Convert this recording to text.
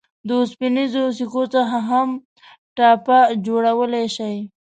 د اوسپنیزو سکو څخه هم ټاپه جوړولای شئ.